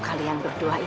aku akan terus jaga kamu